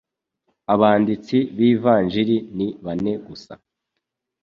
abanditsi bivanjiri ni bane gusa